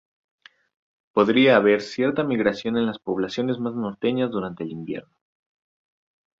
Podría haber cierta migración en las poblaciones más norteñas durante el invierno.